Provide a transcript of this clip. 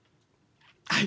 はい！